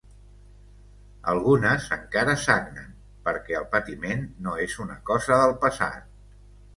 Algunes encara sagnen, perquè el patiment no és una cosa del passat.